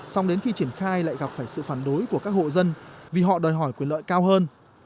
xong đến khi triển khai lại gặp phải sự phản đối của các hộ dân vì họ đòi hỏi quyền lợi cao hơn